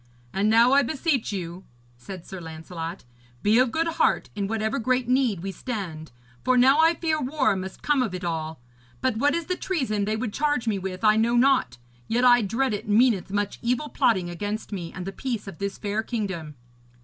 'And now I beseech you,' said Sir Lancelot, 'be of good heart, in whatever great need we stand, for now I fear war must come of it all. But what is the treason they would charge me with I know not; yet I dread it meaneth much evil plotting against me and the peace of this fair kingdom.'